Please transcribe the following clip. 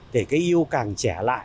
thì cái yêu càng trẻ lại